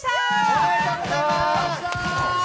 おめでとうございまーす。